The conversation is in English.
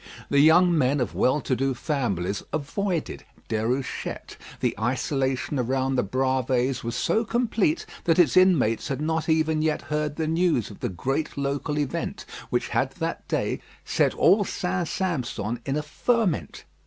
The young men of well to do families avoided Déruchette. The isolation around the Bravées was so complete that its inmates had not even yet heard the news of the great local event which had that day set all St. Sampson in a ferment.